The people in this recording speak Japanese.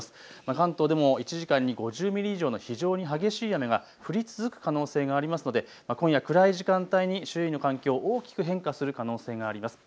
関東でも１時間に５０ミリ以上の非常に激しい雨が降り続く可能性がありますので、今夜、暗い時間帯に周囲の環境、大きく変化する可能性があります。